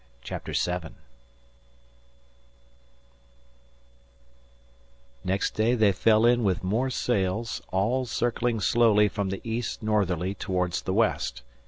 CHAPTER VII Next day they fell in with more sails, all circling slowly from the east northerly towards the west.